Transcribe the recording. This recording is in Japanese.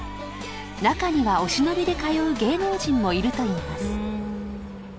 ［中にはお忍びで通う芸能人もいるといいます］